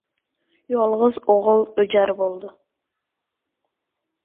Yolg‘iz o‘g‘il o‘jar bo‘ldi.